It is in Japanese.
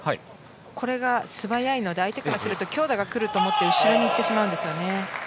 これが素早いので相手からすると強打が来ると思って後ろに行ってしまうんです。